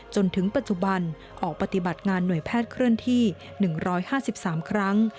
จนถึงปัจจุบันออกปฏิบัติงานหน่วยแพทย์เคลื่อนที่๑๕๓ครั้ง